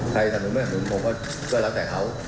ใครสำนุนไม่สำนุนผมก็รับแต่เขา